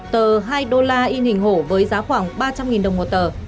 tờ hai đô la in hình hổ với giá khoảng ba trăm linh đồng một tờ